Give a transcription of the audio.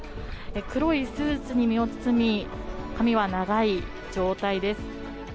黒いスーツに身を包み髪は長い状態です。